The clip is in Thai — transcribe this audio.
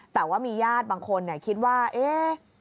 แต่ว่ามีญาติบางคนคิดว่าเอ๊ะ